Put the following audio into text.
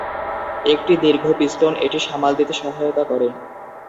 একটি দীর্ঘ পিস্টন এটি সামাল দিতে সহায়তা করে।